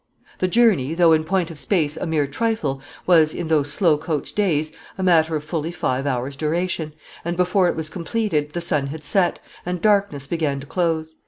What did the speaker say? The journey, though in point of space a mere trifle, was, in those slowcoach days, a matter of fully five hours' duration; and before it was completed the sun had set, and darkness began to close.